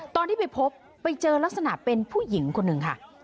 ตอนที่ไปพบไปเจอลักษณะเป็นผู้หญิงคนหนึ่งค่ะ